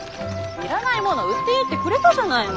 要らないもの売っていいってくれたじゃないの。